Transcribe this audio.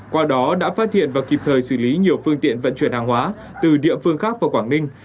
qua đó đã phát hiện và kịp thời xử lý nhiều phương tiện vận chuyển hàng hóa từ địa phương khác vào quảng ninh